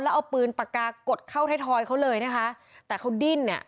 แล้วเอาปืนปากกากดเข้าไทยทอยเขาเลยนะคะแต่เขาดิ้นเนี่ย